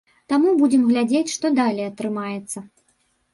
Таму будзем глядзець, што далей атрымаецца.